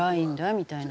みたいな。